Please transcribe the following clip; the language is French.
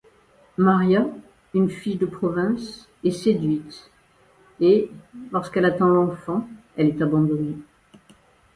Maria, une fille de province, est séduite et, lorsqu'elle attend l'enfant, elle est abandonnée.